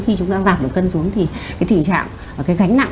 khi chúng ta giảm được cân xuống thì cái thỉnh trạng và cái gánh nặng